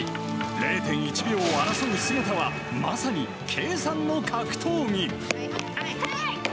０．１秒を争う姿は、まさに計算の格闘技。